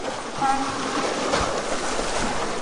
মারবেন না, ভাই।